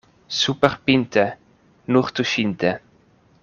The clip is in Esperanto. Superpinte — nur tuŝinte.